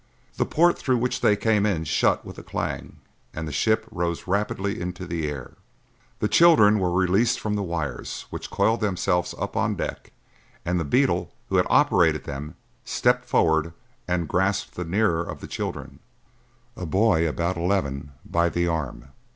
The port through which they came in shut with a clang and the ship rose rapidly into the air. The children were released from the wires which coiled themselves up on deck and the beetle who had operated them stepped forward and grasped the nearer of the children, a boy of about eleven, by the arm.